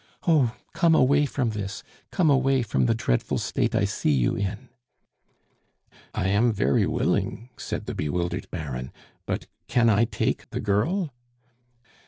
Oh! come away from this, come away from the dreadful state I see you in!" "I am very willing," said the bewildered Baron, "but can I take the girl?"